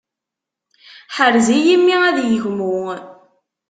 Ḥrez-iyi mmi ad yegmu.